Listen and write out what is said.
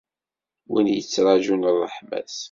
Wid yettraǧun ṛṛeḥma-s.